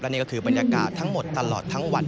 นี่ก็คือบรรยากาศทั้งหมดตลอดทั้งวัน